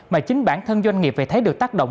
mà chính bản thân doanh nghiệp phải thấy được tác động